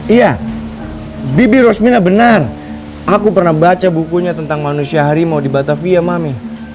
iya bibi rosmina benar aku pernah baca bukunya tentang manusia hari mau dibatasi ya mami